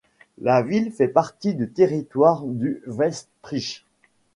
La ville fait partie du territoire du Westrich.